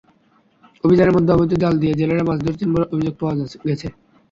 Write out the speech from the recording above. অভিযানের মধ্যেও অবৈধ জাল দিয়ে জেলেরা মাছ ধরেছেন বলে অভিযোগ পাওয়া গেছে।